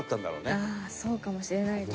ああそうかもしれないですね。